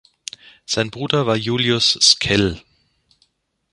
Sein Bruder war Julius Sckell.